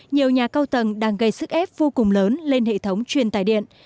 nhiều nhà cao tầng đang gây sức ép vô cùng lớn lên hệ thống truyền tài điện